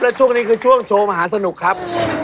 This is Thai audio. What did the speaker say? และช่วงนี้คือช่วงโชว์มหาสนุกครับ